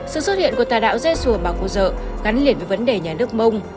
sự xuất hiện của tà đạo giê xùa bà cô dợ gắn liền với vấn đề nhà nước mông